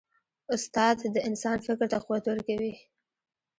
استاد د انسان فکر ته قوت ورکوي.